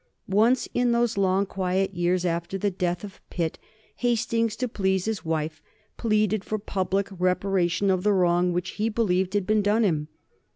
Once in those long quiet years, after the death of Pitt, Hastings, to please his wife, pleaded for public reparation of the wrong which he believed had been done him.